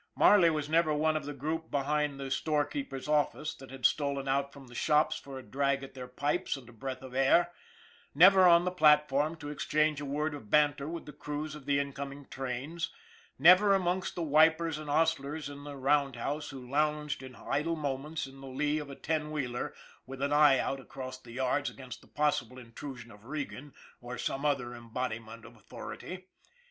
Marley was never one of the group behind the storekeeper's office that had stolen out from the shops for a drag at their pipes and a breath of air ; never on the platform to exchange a word of banter with the crews of the incoming trains; never amongst the wipers and hostlers in the roundhouse who lounged in idle moments in the lee of a ten wheeler with an eye out across the yards against the possible intrusion of Regan or some other embodiment of authority.